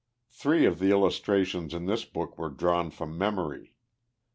— Three of the illustrations in this book were drawn from memory.